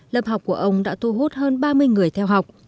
lớp học của ông đã thu hút hơn ba mươi người theo học